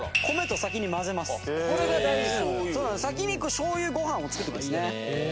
「先に醤油ご飯を作っておくんですね」